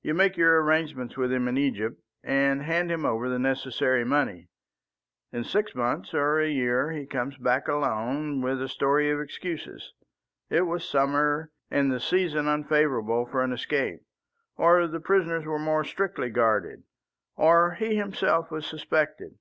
You make your arrangements with him in Egypt, and hand him over the necessary money. In six months or a year he comes back alone, with a story of excuses. It was summer, and the season unfavourable for an escape. Or the prisoners were more strictly guarded. Or he himself was suspected.